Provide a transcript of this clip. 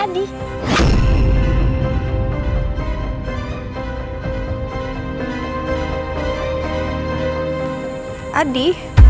dan ini adi